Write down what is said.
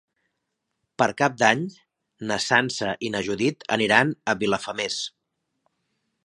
Per Cap d'Any na Sança i na Judit aniran a Vilafamés.